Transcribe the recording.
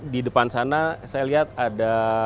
di depan sana saya lihat ada